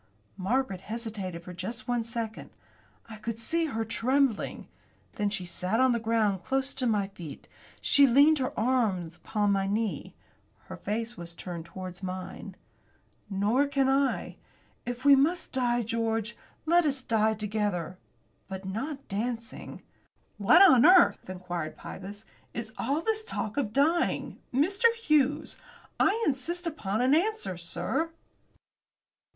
Margaret hesitated for just one second. I could see her trembling. Then she sat on the ground close to my feet. She leaned her arm upon my knee. Her face was turned towards mine. "Nor can I. If we must die, George, let us die together; but not dancing." "What on earth," inquired Pybus, "is all this talk of dying, Mr. Hughes? I insist upon an answer, sir."